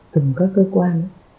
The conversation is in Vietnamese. từng các cơ quan